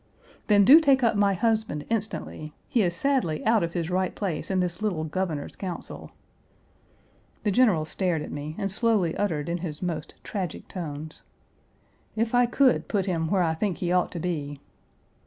"Then do take up my husband instantly. He is sadly out of his right place in this little Governor's Council." The general stared at me and slowly uttered in his most tragic tones, "If I could put him where I think he ought to be!"